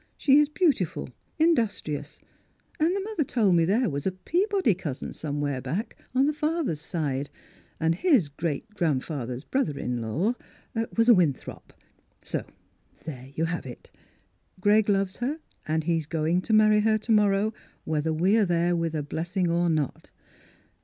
She is beautiful, industrious, and the mother told me there was a Peabody cousin somewhere back, on the father's side, and his great grandfather's brother in law was a Winthrop. So there you have it. Greg loves her, and he's going to marry her to morrow, whether we're there with a blessing or not.